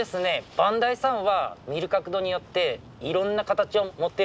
磐梯山は見る角度によっていろんな形を持ってる山です。